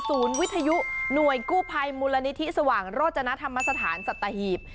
วิทยุหน่วยกู้ภัยมูลนิธิสว่างโรจนธรรมสถานสัตหีบ